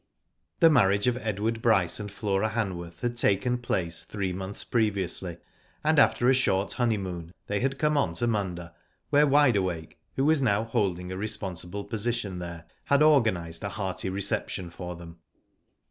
The marriage of Edward Bryce and Flora Han worth had taken place three months previously, and after a short honeymoon they had come on to Munda where Wide Awake, who was now holding a responsible position there, had organised a hearty reception for them.